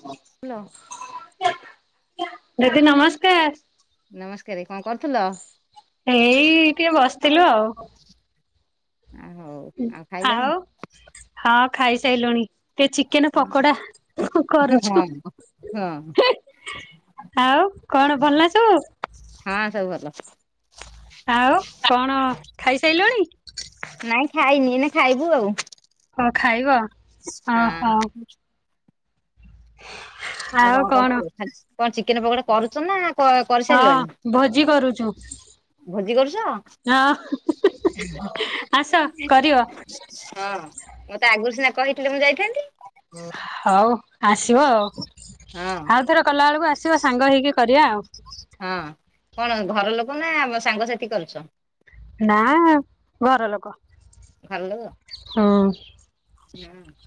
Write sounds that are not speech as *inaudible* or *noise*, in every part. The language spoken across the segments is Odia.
*unintelligible* ଦିଦି ନମସ୍କାର। ନମସ୍କାରେ କଁ କରୁଥୁଲ। ଏଇ ଟିକେ ବସିଥିଲୁ ଆଉ। ଆ ହୋଉ। ଆଉ ହଁ ଖାଇସାଇଲୁଣି। ଟିକେ ଚିକେନେ ପକୋଡା ହଁ କରୁଛୁ। ହଁ *unintelligible* ଆଉ କଣ ଭଲନା ସବୁ। ହଁ ସବୁ ଭଲ। ଆଉ କଣ ଖାଇସାଇଲଣି। ନାଇଁ ଖାଇନି ଏଇନା ଖାଇବୁ ଆଉ। ହଁ ଖାଇବ। ଓହୋ ହଁ। ଆଉ କଣ କରୁଚୁ ଖାଲ୍ କଁ ଚିକେନେ ପକଡା କରୁଚୁନା ହଁ ଭୋଜି କରୁଚୁ। ଭୋଜି କରୁଚ। ହଁ ଆସ ମତେ କରିବ ଆଗୁରୁ ସିନା କହିଥିଲେ ମୁଁ ଯାଇଥାନ୍ତି। ହଉ ଆସିବ ଆଉ ଆଉଥର କଲା ଆଳୁକୁ ଆସିବ ସାଙ୍ଗ ହେଇକି କରିବା ଆଉ। ହୁଁ କଣ ଘର ଲୋକୋ ନା ମ ସାଙ୍ଗସାଥି କରୁଛ। ନାଁ ଘର ଲୋକ। *unintelligible* ହଁ। *unintelligible*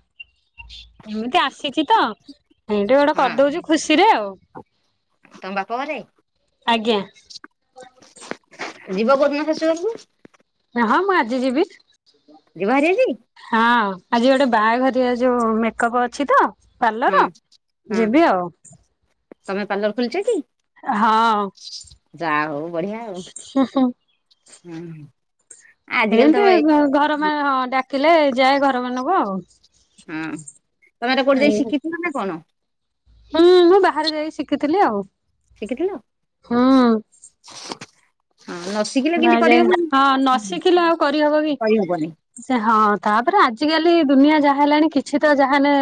ଏମିତି ଆସିଚି ତ ଏଇଠି ଗୋଟେ ହଁ କରିଦୋଉଚୁ ଖୁସିରେ ଆଉ। ତମ ବାପ ଘରେ। ଆଜ୍ଞା। ଯିବ କୋଉ ଦିନ ଶାଶୂ ଘରୁକୁ। ରହଁ ମୁଁ ଆଜି ଯିବି। ଯିବ ହାରି ଆଜି ହଁ ଆଜି ଗୋଟେ ବାହାଘରଆ ଯୋଉ ମେକଅପ୍ ଅଛି ତ। ପାର୍ଲର। ହଁ ହଁ ଯିବି ଆଉ ତମେ ପାର୍ଲର ଖଲିଚ କି? ହଁ। ଯା ହଉ ବଢିଆ ଆଉ। ହୁଁ। ଆଜିକାଲି ତ ଏଇ ଏମତି ଘର ମାଏ ହଁ ଡାକିଲେ ଯାଏ ଘର ମାନଙ୍କୁ ଆଉ। ହଁ ତମେ ଏଟା କୋଉଠି ଯାଇ ଶିଖିଥିଲ ନା କଣ? ହୁଁ ମୁଁ ବାହାରେ ଯାଇକି ଶିଖିଥିଲି ଆଉ। ଶିଖିଥିଲ? ହୁଁ। ହଁ ନସ୍ ମା ଯାଇ ହଁ ନ ଶିଖିଲେ ଆଉ କରିହବ କି। କରିହବନି ସେ ହଁ ତାପରେ ଆଜିକାଲି ଦୁନିଆ ଯାହା ହେଲାଣି କିଛି ତ ଯାହାନେ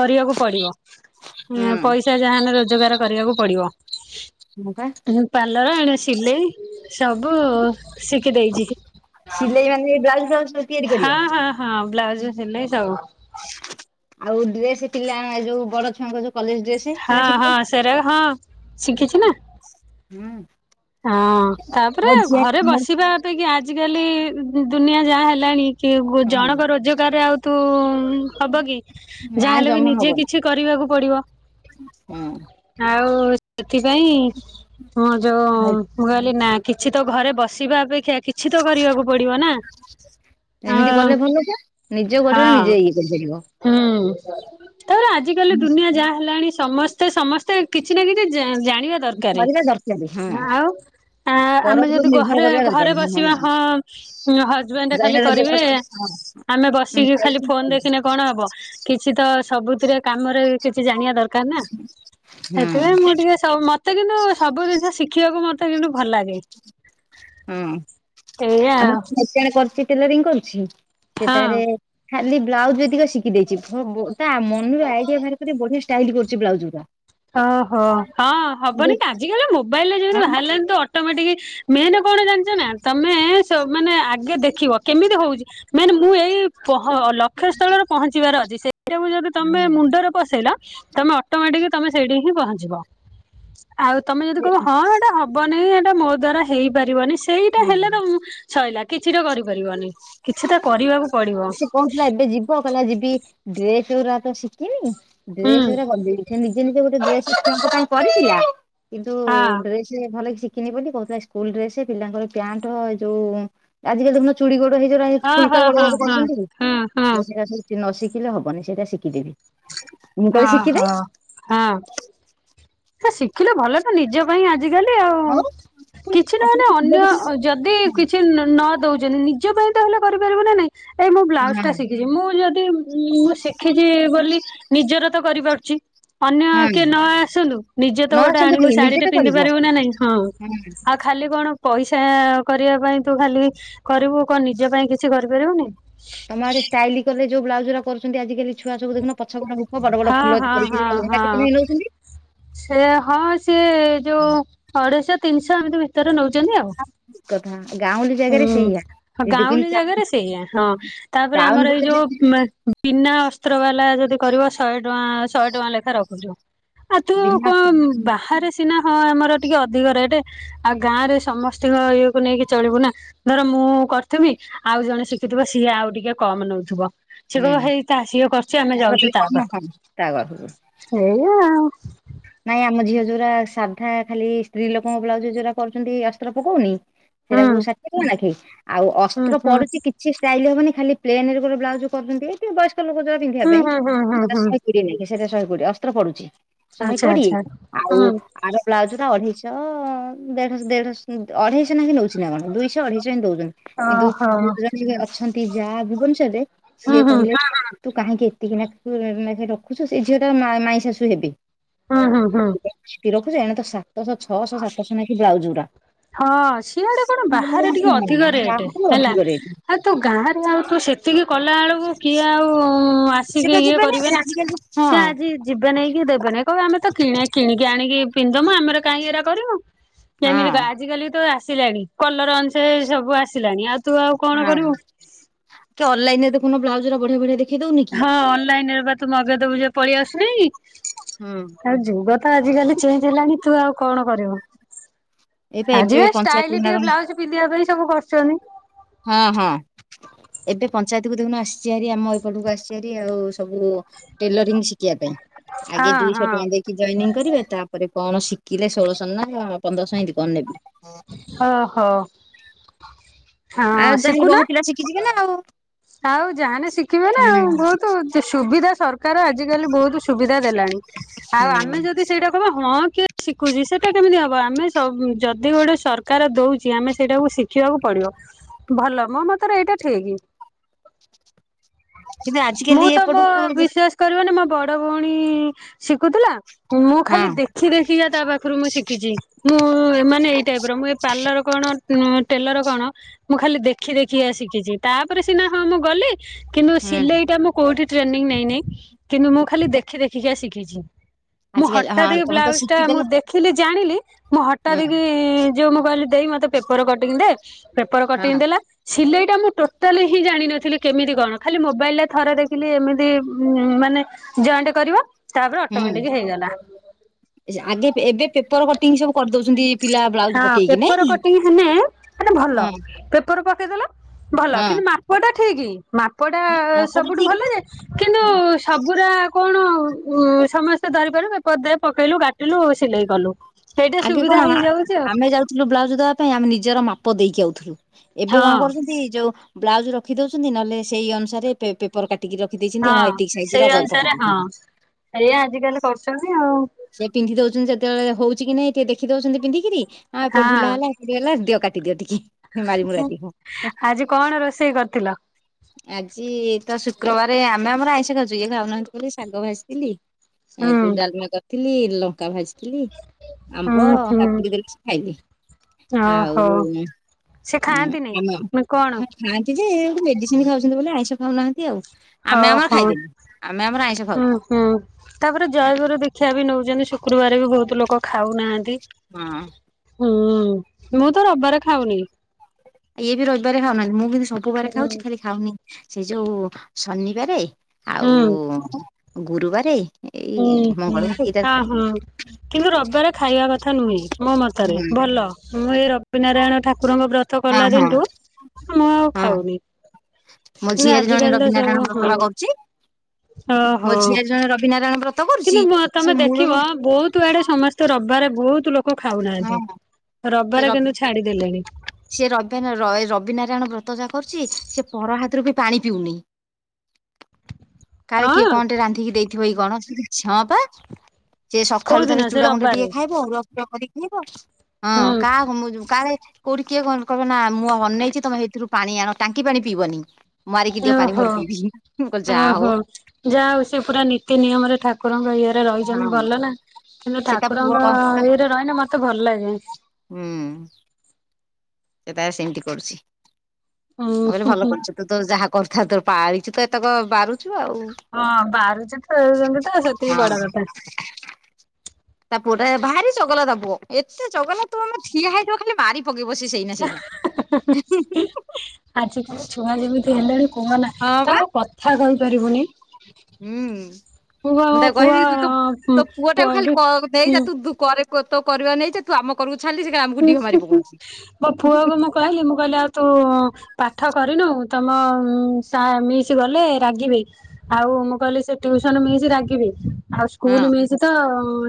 କରିବାକୁ ପଡିବ ହୁଁ ପଇସା ଯାହାନେ ରୋଜଗାର କରିବାକୁ ପଡିବ। ପା ମୁଁ ପାଲଡ ଆଣେ ସିଲେଇ ସବୁ ଶିଖିଦେଇଚି। ଖାଲି ଏଇ ବ୍ଲାଉସ ଫାଲୁଜ ତି ହଁ ହଁ ହଁ ବ୍ଲାଉଜ ସିଲେଇ ସବୁ। ଆଉ ଡ୍ରେସ ପିଲା ଏ ଯୋଉ ବଡ ଛୁଆଙ୍କ ଯୋଉ କଲେଜ ଡ୍ରେସ। ହଁ ସେଟା ଶିଖିଛ ହଁ ସେରାଉ ହଁ ଶିଖିଛି ନା। ହୁଁ। ହଁ ତାପରେ ଘରେ ବସିବା ଅପେକ୍ଷା ଆଜିିକାଲି ଦୁନିଆ ଯାହା ହେଲାଣି କି ଜଣଙ୍କ ରୋଜୋଗାରେ ଆଉ ତୁ ହବ କି? ନାଇଁ ଯାହାହେଲେ ବି ନିଜେ କିଛି କରିବାକୁ ପଡିବ। ହୁଁ। ଆଉ ସେଥିପାଇଁ ହ ଯୋ ମୁଁ କହିଲି ନା କିଛି ତ ଘରେ ବସିବା ଅପେକ୍ଷା କି ଛିତ କରିବାକୁ ପଡିବ ନା ଏମିତି ଆଉ କଲେ ଭଲ ଯେ ନିଜ ଗୋଡରେ ହଁ। *unintelligible* ହୁଁ ତାରେ ଆଜିିକାଲି ଦୁନିଆ ଯାହା ହେଲାଣି ସମସ୍ ତେ ସମସ୍ତେ କିଛି ନା କିଛି ଜା ଜାଣିବା ଦରକାର କରିବା ଦରକାର ହଁ ଆଉ। ଆ ପର ଆମେ ଉପରେ ଯଦି ନିର୍ଭର ଘରେ କରିବା ଦରକାର ଘରେ ନୁହଁ। ବସିବା ହଁ ହଜବେଣ୍ଡ ଖାଲି ଜଣେ ରୋଜଗାର କରିବେ କଲେ ଆମେ ବସିକି ଖାଲି ଫୋନ ଦେଖିନେ କଣ ହବ କିଛିତ ସବୁଥିରେ କାମରେ କିଛି ଜାଣିବା ଦର କାନା ହଁ ହଁ ସେଥିପାଇଁ ମୁଁ ଟିକେ ସବୁ ମାତ୍ ତେ କିନ୍ତୁ ସବୁ ଜିନିଷ ଶିଖିବାକୁ ମତେ କିନ୍ତୁ ଭଲ ଲାଗେ। ହୁଁ ଏଇଆ ଆଉ *inaudible* କରୁଚି ଟେଲରିଂ କରୁଛି ହଁ। ସେଟାରେ ଖାଲି ବ୍ଲାଉଜ ଯଦିକ ଶିଖିଦେଇଚି ଭ ତା ମନରେ ଆଇଡିଆ ବାହାର କରି ବଢିଆ ସ୍ ଷ୍ଟାଇଲ କରୁଛି ବ୍ଲାଉଜ ଗୁରା। ଓହୋ ହଁ ହବନି କି ଆଜିି କାଲି ବା ମୋବାଇଲରେ ଯେମିତି ହଁ ବା ବାହାରିଲାଣି ତ ଅ ଅଟୋମେଟିକ ମେନ କଣ ଜାଣିଚ ନା, ତମେ ସ ମାନେ ଆଗେ ଦେଖିବ କେମିତି ହଉଚି ମେନ୍ ମୁଁ ଏଇ ପହ ଲକ୍ଷ୍ୟ ସ୍ଥଳରେ ପହଞ୍ଚିବାର ଅଛି ସେଇଟାକୁ ଯଦି ତମେ ମୁଣ୍ଡର ପସେଇଲ, ତମେ ଅଟୋମେଟିକ୍ ତମେ ସେଇଠି ହିଁ ପହଞ୍ଚିବ। ଆଉ ତମେ ଯଦି କହିବ ହଁ ଏଟା ହବନି ଏଟା ମୋ ଦ୍ଵାରା ହେଇପାରିବନି ସେଇଟା ହେଲେ ତ ଉମ ସଇଲା, କିଛିତ କରିପାରିବନି। କିଛି ତ କରିବାକୁ ପଡିବ ସେ କହୁଥିଲା ଏବେ ଯିବ, କହିଲା ଯିବି ଡ୍ରେସ ଗୁରା ତ ସିଖିନି ହୁଁ ଡ୍ରେସ୍ ଗୁରା ଗଦେଇ ସେ ନିଜେ ନିଜେ ଗୋଟେ ଡ୍ରେସ୍ ଛୁଆଙ୍କ ପାଇଁ କରିଥିଲା କିନ୍ତୁ ହଁ ଡ୍ରେସ୍ ସେ ଭଲ କି ଶିଖିନି ବୋଲି କହୁଥିଲା ସ୍କୁଲ ଡ୍ରେସ୍ ପିଲାଙ୍କର ପ୍ୟାଣ୍ଟ ଯୋଉ ଆଜିକାଲି ଦେଖୁନ ଚୁଡ଼ି ଗୋଡ ହେଇ ଯୋଉଗୁରା ହଁ ହଁ ଫୁଲକା ଗୋଡ ହଁ ଗୋଡ ହଁ ହଁ ହଁ କରୁଛନ୍ତି ସେ ନ ଶିଖିଲେ ହବନି ସେଇଟା ଶିକିଦେବି। ଓହୋ ହଁ। ସେ ଶିଖିଲେ ଭଲ ନା ନିଜ ପାଇଁ ଆଜିକାଲି ଆଉ, ପୁଣି କିଛି ନହେଲେ ଆଜିକାଲି ପିଲା ଅନ୍ୟ ଦେଖିଲେ ଯଦି କିଛି ନ ନଦଉଚନି ନିଜ ପାଇଁ ତ ହେଲେ କରିପାରିବୁ ନା ନାଇଁ। ଏଇ ମୁଁ ହଁ ବ୍ଲାଉସ୍ ଟା ଶିକିଚି ମୁଁ ଯଦ୍ ଇ ଉୁଁ ମୁଁ ଶିଖିଚି ବୋଲି ନିଜର ତ କରିପାରୁଚି। ଅନ୍ୟ ହଁ କିଏ ନ ଆସନ୍ତୁ ନିଜେ ତ ନ ଓଟେ ଆସନ୍ତୁ ଆଣିବୁ କାଲି ଶାଢୀ ନିଜେ ଟେ ତ ପିନ୍ଧି କରିବ। ପାରିବୁ ନା ନାଇଁ ହଁ। ଆ ଖାଲି କଣ ପଇସା କରିଆ ପାଇଁ ତୁ ଖାଲି କରିବୁ କଁ ନିଜ ପାଇଁ କିଛି କରିପାରିବୁନି। ଆମ ଆଡେ ଷ୍ଟାଇଲି କଲେ ଯୋଉ ବ୍ଲାଉଜ ଉରା କରୁଚ଼ନ୍ତି ଆଜି କାଲି ଛୁଆ ସବୁ ଦେଖୁନ ପଛ *unintelligible* ହୂ ଅ ବଡ଼ ବଡ଼ ହଁ ଫୁଲ ହଁ ହଁ ହଁ *unintelligible* ନେଇନଉଚନ୍ତି। ସେ ହଁ ସିଏ ଯୋଉ ଅଢେଇଶ, ତିନିଶ ଏମିତି ଭିତରେ ନଉଚନ୍ତି ଆଉ। କଥା ଗାଉଁଲି ଜାଗାରେ ଉୁଁ ସେଇଆ। ହ ଯଦି ଗାଉଁଲି କିନ୍ତୁ ଜାଗରେ ସେଇଆ, ହଁ ତାପରେ ଟାଉନ ଆମର ଏଇ ଭିତରେ ଯୋଉ ମା ବିନା ଅସ୍ତ୍ର ବାଲା ଯଦି କରିବ ଶହେ ଟଆଁ ଶହେ ଟଆଁ ଲେଖା ରଖୁଚୁ। ଆଉ ଚୁ କଁ ବିନା ବାହାରେ ସି ସିନା ହଁ ଆମର ଟିକେ ଅଧିକ ରେଟେ, ଆଉ ଗାଁରେ ସମସ୍ତିଙ୍କ ଇଏକୁ ନେଇକି ଚଳିବୁ ନା। ଧର ମୁଁ କରିଥିବି ଆଉ ଜଣେ ଶିଖିଥିବ ସିଏ ଆଉ ଟିକେ କମ୍ ନଉଥୁବ। ସିଏ କହିବ ହୁଁ ହେଇ ତା ସିଏ କରୁଚି ଆମେ କତିରେ ଯାଉଚୁ ତା କମ ହଁ ତା ଘରକୁ ପାଖୁ। ଏଇଆ। ନାଇଁ ଆମ ଝିଅ ଯୋଉରା ସାଧା ଖାଲି ସ୍ତ୍ରୀ ଲୋକଙ୍କ ବ୍ଲାଉଜ ଯୋଉରା କରୁଚ଼ନ୍ତି ଅସ୍ତ୍ର ପକଉନି। ହୁଁ। ସେରାକୁ ଷାଠିଏ ଟଙ୍କା ନାଖେ, ଆଉ ହୁଁ ଅସ୍ତ୍ର ହୁଁ ପଡୁଚି କି ଛି ଷ୍ଟାଇଲି ହବନି ଖାଲି ପ୍ଲେନ୍ ରେ ଗୋଟେ ବ୍ଲାଉଜ୍ କରୁଚ଼ନ୍ତି ଏ ଟିଏ ବୟସ୍କ ଲୋକ ଯୋଉଆ ପିନ୍ଧିବା ହୁଁ ପାଇଁ ହୁଁ ହୁଁ ହୁଁ ହୁଁ ଶଏ କୋଡିଏ ନେଖେ ସେଟା ଶହେ କୋଡିଏ ଅସ୍ତ୍ର ପଡୁଛି ଶହେ ଆଚ୍ଛା କୋଡିଏ ଆଚ୍ଛା ଆଉ ହୁଁ ଆର ବ୍ଲାଉଜ ଟା ଅଢେଇଶଅ, ଦେଢଶ୍ ଦେଢଶ୍ ଅଢେଇଶଅ ନେଖେ ନଉଚି ନା କଣ ଦୁଇଶଅ, ଅଢେଇଶଅ ଏମିତି ଦଉଚନ୍ତି। କିନ୍ତୁ ଓହୋ। *unintelligible* ଅଛନ୍ତି ଯା ଭୁବନେଶ୍ୱରରେ ହୁଁ ସିଏ ହୁଁ କହିଲେ ହଁ ହଁ ତୁ କାହିଁକି ଏତିକି ନେଖ୍ ତୁ ନେଖେ ରଖୁଚୁ ସେ ଝିଅ ଟା ର ମାଇଁ ଶାଶୁ ହେବେ। ହଁ ହଁ ହଁ। ସେତିକି ରଖୁଚୁ ଏଣେ ତ ସାତଶଅ, ଛଅଶଅ, ସାତଶଅ ନେଖେ ବ୍ଲାଉଜୁ ଗୁରା। ହ ସିଆଡେ କଣ ବାହାରେ ଟିକେ ଅଧିକ ରେଟ୍ ଆହୁରି ହେଲା। ଅଧିକ ରେଟ୍। ଆଉ ତୁ ଗାଁ ରୁ ଆଉ ତୁ ସେତିକି କଲା ଏଳକୁ କିଏ ଆଉ ଆସିକି ସେଟା ଇଏ ଦେବେନି କରିବେ ନା ଆଜିକାଲି ହଁ ସିଏ ଆଜି ଯିବେ ନାଇଁ କି ଦେବେ ନାଇଁ କହିବେ ଆମେ ତ କିଣା କିଣିକି ଆଣିକି ପିନ୍ଧିଦମୁ ଆମର କାଇଁ ଏରା କରିବୁ। ହଁ କେମିତି କା ଆଜିକାଲି ତ ଆସିଜାଣି କଲର ଅନୁସାରେ ସବୁ ଆସିଲାଣି ଆଉ ତୁ ଆଉ କଣ ହଁ କରିବୁ। କି ଅନଲାଇନ୍ ରେ ଦେଖୁନୁ ବ୍ଲାଉଜ ଗୁର ବଢିଆ ବଢିଆ ଦେ ହଁ ଅନଲାଇନ୍ ରେ ବା ତୁ ମଗେଇଦବୁ ଯେ ପଳେଇ ଆସୁନେଇ। ଉୁଁ। ଆଉ ଯୁଗ ତ ଆଜିକାଲି ଚେଞ୍ଜ ହେଲାଣି ତୁ ଆଉ କଣ କରିବୁ। ଏଇପା ଆଜି ଏବେ କା ପଞ୍ଚାୟତ ଷ୍ଟାଇଲି ନା ଟିକେ କଣ ବ୍ଲାଉଜ ପିନ୍ଧିବା ପାଇଁ ସବୁ କରୁଚନି। ହଁ ହଁ। ଏବେ ପଞ୍ଚାୟତକୁ ଦେଖୁନୁ ଆସ୍ଚିଆରି ଆମ ଏପଟକୁ ଆସ୍ଚିଆରି ଆଉ ସବୁ ଟେଲରିଂ ଶି କିଆ ପାଇଁ ଆଗେ ହଁ ଦୁଇଶଅ ହଁ ଟଙ୍କା ଦେଇକି ଜଏନିଂ କରିବେ ତାପରେ କଣ ଶିକିଲେ ଷୋଳଶଅ ନା ପନ୍ଦରଶଅ ଏମିତି କଁ ନେବ୍ ହ ହୋ। ଆ ଯାହା ଏଲେ ବହାର ପିଲା ଶିଖି ଯିବେ ନା ଆଉ। ଆଉ ଯାହାନେ ଶିଖିବେ ନା ହୁଁ ଆଉ ବହୁତ ସୁବିଧା ସରକାର ଆଜିକାଲି ବହୁତ ସୁବିଦା ଦେଲାଣି। ଆଉ ହୁଁ। ଆମେ ଯଦି ସେଇଟା ହଁ କିଏ ଶିଖୁଚି ସେଟା କେମିତି ଅବ ଆମେ ସବୁ ଯଦି ଗୋଟେ ସରକାର ଦଉ ଚି ଆମେ ସେଇଟାକୁ ଶିଖିବାକୁ ପଡିବ ଭଲ ମୋ ମତରେ ଏଇଟା ଠିକି। କିନ୍ତୁ ମୁଁ ଆଜିକାଲି ତ ମୋ ଏପଟକୁ ବିଶେଷ୍ କରିବନି ମୋ ବଡ ଭଉଣୀ ଶିକୁତୁଲା ମୁଁ ହଁ ଖାଲି ଦେ ଖି ଦେଖି କା ତା ପାଖରୁ ମୁଁ ଶିଖିଚି। ମୁଁ ମାନେ ଏଇ ଟାଇପ୍ ର ମୁଁ ଏ ପାର୍ଲର କଣ ଉଁ ଟେଲର କଣ ମୁଁ ଖାଲି ଦେଖି ଦେଖିକା ଶିଖିଛି ତାପରେ ସିନା ହଁ ମୁଁ ଗଲି, କିନ୍ତୁ ହୁଁ ସିଲେଇଟା ମୁଁ କୋଉଠି ଟ୍ରେନିଂ ନେଇନିଁ କିନ୍ତୁ ମୁଁ ଖାଲି ଦେଖି ଦେଖି କା ଶିଖିଛି। ମୁଁ ଆଜିକାଲି ହଁ ହଠାତ୍ ତମେ ତ ବ୍ଲାଉଜ ଟା ମୁଁ ଶିଖିଦେଲ ଦେଖ ଦେଖିଲି ଜାଣିଲି ମୁଁ ହୁଁ ହଟାତକି ଯୋଉ ମୁଁ କହିଲି ଦେଇ ମତେ ପେପର କଟିଂ ଦେ? ପେପର ହଁ କଟିଂ ଦେଲା ସିଲେଇ ଟା ମୁଁ ଟୋ ଟୋଟାଲି ହିଁ ଜାଣିନଥିଲି କେମିତି କଣ ଖାଲି ମୋବାଇଲରେ ଥରେ ଦେଖିଲି ଏମିତି ଉଁ ମାନେ ଜଏଣ୍ଟ କରିବ ତାପରେ ହୁଁ ଅଟୋମେଟିକ ହେଇଗଲା। ଆଗେ ଏବେ ପେପର କଟିଂ ସବୁ କରିଦଉଛନ୍ତି ପିଲା। ବ୍ଲାଉଜ ହଁ ପକେଇକି ନାଇଁ ପେପର କି କଟିଂ ହେଲେ ମାନେ ଭଲ ହଁ ପେପର ପକେଇଦେଲ ଭଲ ହଁ କିନ୍ତୁ ମା ମାପଟା ଠିକ ମାପଟା ମାପଟା ସବୁଠୁ ଠିକ ଭଲ ପା ଯେ କିନ୍ତୁ ସବୁରା କଣ ସମସ୍ତେ ଧରିପାର ବପଦ ପକେଇଲୁ କାଟିଲୁ ସିଲେଇ କଲୁ। ସେଇଟ ଆଗେ କଣ ଆମେ ଯାଉଥିଲୁ ବ୍ଲାଉଜ ଦବା ପାଇଁ ଆମେ ନିଜର ମାପ ଦେଇକି ଆଉଥିଲୁ। ଏବେ କଣ ହଁ କରୁଛନ୍ତି ଯୋଉ ବ୍ଲାଉଜ ରଖି ଦଉଛନ୍ତି ନହେଲେ ସେଇ ଅନୁସାରେ ପେ ପେ ଉପର କାଟିକି ରଖିଦେଇଛନ୍ତି ହଁ ଏତିକି ସାଇଜରେ ପକଉ ଦଉଛନ୍ତି। ଏୟା ଆଜିକାଲି କରୁଛନ୍ତି ଆଉ। ସେ ପିନ୍ଧି ଦଉଛନ୍ତି ଯେତେବେଳେ ହଉଛି କି ନାଇଁ ଟିକେ ଦେଖି ଦଉଛନ୍ତି ପିନ୍ଧିକିରି ଆଉ ପ ହଁ ଢିଲା ହେଲେ ହେଲା ଦିଅ କାଟିଦିଅ ଟିକେ। ମାରି ମୁରା ଦିଅ। ଆଜି କଣ ରୋଷେଇ କରିଥିଲ? ଆଜି ତ ଶୁକ୍ରବାରେ ଆମେ ଆମର ଆଇଁଷ ଖାଉଚୁ ଇଏ ଖାଉନାହାନ୍ତି ବୋଲି ଶାଗ ଭାଜିଥିଲି। ହୁଁ ଏଠୁ ଡାଲମା କରିଥିଲି, ଲଙ୍କା ଭାଜି ଥିଲି ଆମ୍ବ, ହୁଁ ହୁଁ କାକୁଡି ଧରି ସେ ଖାଇଲେଇ ଓହୋ ଆଉ ସେ ହଁ ଖାଆନ୍ତିନି ନା କଣ? ଖାଆନ୍ତି ଯେ ଏବେ ମେଡିସିନ ଖାଉଛନ୍ତି ବୋଲି ଆଇଁଷ ଖାଉନାହାନ୍ତି ଆଉ। ଆମେ ଆମର ଓହୋ ଖାଇଦେଲୁ ଆମେ ଆମର ଆଇଁଷ ହୁଁ ଖାଉଛୁ ହୁଁ ତାପରେ ଜୟଗୁର ଦିଖ ଦୀକ୍ଷା ବି ନେଉଛନ୍ତି ଶୁକ୍ରବାରେ ବି ବହୁତ ଲୋକ ଖାଉନାହାନ୍ତି। ହଁ। ହୁଁ ମୁଁ ତ ରବିବାର ଖାଉନି। ଇଏ ବି ରହିବାରେ ଖାଉନାହାନ୍ତି, ମୁଁ କିନ୍ତୁ ସବୁବାରେ ହୁଁ ଖାଉଛି ଖାଲି ଖାଉନି ସେଇ ଯୋଉ ଶନିବାରେ ହୁଁ। ଆଉ ଗୁରୁବାରେ। ହୁଁ ଏଇ ହୁଁ ମଙ୍ଗଳବାର ଏଇଟା ହଁ ହଁ। କିନ୍ତୁ ରବବାରେ ଖାଇବା କଥା ନୁହେଁ ମୋ ମତରେ ହୁଁ ଭଲ। ମୁଁ ଏଇ ରବିନାରାୟଣ ଠାକୁରଙ୍କ ବ୍ରତ ହଁ କଲା ହଁ ଦିନଠୁ ମୁଁ ଆଉ ହଁ ଖାଉନି। ମୋ କିନ୍ତୁ ଝିଆରୀ ଜଣେ ଆଜିକାଲି ତ ସବୁ ରବିନାରାୟଣ ବ୍ରତ ହଁ ବା କରୁଛି। ମୋ ଓହୋ। ଝିଆରୀ ଜଣେ ରବିନାରାୟଣ ବ୍ରତ କରୁଛି କିନ୍ତୁ ସେ ତମେ ମୂଳରୁ ଦେଖିବ ବହୁତ ଆଡେ ସମସ୍ତ ତ ରବିବାରେ ବହୁତ ଲୋକ ଖାଉନାହାନ୍ତି ହଁ ସେ ରବିବାରେ କିନ୍ତୁ ଛାଡିଦେଲେଣି। ସେ ରବ ରବିନାରାୟଣ ବ୍ରତ ଯାହା କରୁଛି ସେ ପର ହାତରୁ ବି ପାଣି ପିଉନି। କାଳେ କିଏ ହଁ କଣ ଟେ ରାନ୍ଧିକି ଦେଇଥିବ କି କଣ? ହଁ ବା। ସେ କୋଉ ସକାଳୁ ତାର ଦିନ ସେ ଚୁଡ଼ା ଗୁଣ୍ଡ ଟିକେ ରବିବାରେ। ଖାଇବ ଅରୁଆ ଫରୁଆ କରିକି ଖାଇବ। ହୁଁ ହଁ କାହାକୁ ମୁଁ ଯୋ କାଳେ କୋଉଠି କିଏ କହ ନା ମୁଁ ଅନେଇଛି ତମେ ସେଇଥିରୁ ପାଣି ଆଣ ଟାଙ୍କି ପାଣି ପିଇବନି। ମାରିକି ଦିଅ ପାଣି ଓହୋ ମୋର ପିଇବି ମୁଁ କହିଲି ଯାହା ଓହୋ ହଉ। ଯାହା ହଉ ସେ ପୁରା ନୀତି ନିୟମ ରେ ଠାକୁରଙ୍କ ଇ ରହିଛନ୍ତି ଭଲ ନା କିନ୍ତୁ ସେ ତା ପୁଅ ଠାକୁରଙ୍କ ଇଏରେ ରହିଲେ ମତେ ଭଲ ଲାଗେ। ହୁଁ। ସେ ତାର ସେମତି କରୁଛି। ମୁଁ ହୁଁ କହିଲି ହୁଁ ଭଲ ହୁଁ କରୁଛୁ ତୁ ତୋ ଯାହା କରୁଥା ତୋର ପାଳିଚୁ ତୁ ଏତକ ବାରୁ ହଁ ବାରୁଚି ତ *unintelligible* ତ ସେତିକି ବଡ କଥା। ତା ପୁଅ ଟା ଭାରି ଚଗଲା ତା ପୁଅ ଏତେ ଚଗଲା ତୁ ଆମେ ଠିଆ ହେଇଥିବ ଖାଲି ମାରି ପକେଇବ ସେ ସେଇନା ସେଇନା। ଆଜିକାଲି ଛୁଆ ଯେମିତି ହେଲେଣି କୁହ ନା ହଁ ବା। ତାକୁ କଥା କହିପାରିବୁନି। ହୁଁ। ପୁଅ ମୁଁ ତାକୁ ପୁଅ କହିବି ତୁ ତୋ ପୁଅ ଟାକୁ କ ଖାଲି ହୁଁ ନେଇଯା ତୁ ତୁରେ ତ କରିବା ନେଇ ଯା ତୁ ଆମ କରକୁ ଛାଡ଼ିଲେ ସେଆମକୁ ଡିହ ମାରି ମୋ ପକଉଛି। ପୁଅକୁ ମୁଁ କହିଲି ମୁଁ କହିଲି ଆଉ ତୁ ପାଠ କରିନୁ ତମ ସା ମିଶ ଗଲେ ରାଗିବେ। ଆଉ ମୁଁ କହିଲି ସେ ଟ୍ୟୁଉସନ ମିଶି ରାଗିବେ। ଆଉ ସ୍କୁଲ ହଁ ମିସିି ତ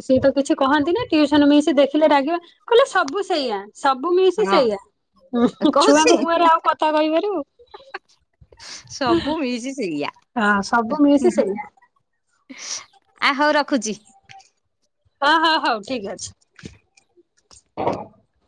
ସିଏ ତ କିଛି କହନ୍ତି ନା ଟିଉସନ ମିିଶ୍ ସେ ଦେଖିଲେ ରାଗିବେ। କହିଲେ ସବୁ ସେଇଆ। ସବୁ ମିଶି ହଁ ସେଇଆ କହୁଛି ଛୁଆକୁ ମୁହଁରେ ଆଉ କଥା କହିପାରିବୁ। ସବୁ ମିଇଶି ସେୟା। ହଁ ସବୁ ମିଇଶି ସେଇଆ। ଆ ହଉ ରଖୁଛି? ହଁ ହଁ ହଉ ଠିକ ଅଛି।